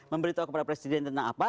memberitahu kepada presiden tentang apa